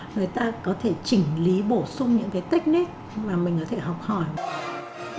người ta có thể chỉnh lý bổ sung những cái technic mà mình có thể học hỏi